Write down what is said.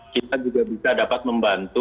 kita juga bisa dapat membantu